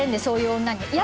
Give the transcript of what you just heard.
そういう女に。